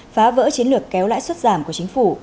phá vỡ chiến lược kéo lãi suất giảm của chính phủ